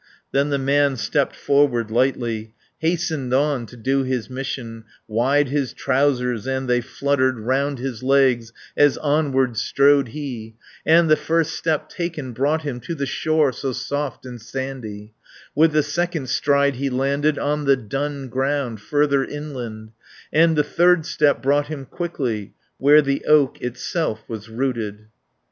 Then the man stepped forward lightly, Hastened on to do his mission; Wide his trousers, and they fluttered Round his legs as onward strode he, And the first step taken, brought him To the shore so soft and sandy; 170 With the second stride he landed On the dun ground further inland, And the third step brought him quickly, Where the oak itself was rooted.